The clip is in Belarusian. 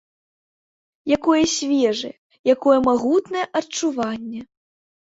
Якое свежае, якое магутнае адчуванне!